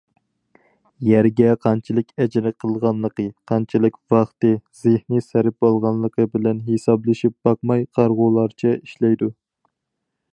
يەرگە قانچىلىك ئەجىر قىلغانلىقى، قانچىلىك ۋاقتى، زېھنى سەرپ بولغانلىقى بىلەن ھېسابلىشىپ باقماي قارىغۇلارچە ئىشلەيدۇ.